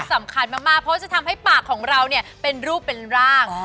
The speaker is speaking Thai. สำคัญมากเพราะจะทำให้ปากของเราเนี่ยเป็นรูปเป็นร่าง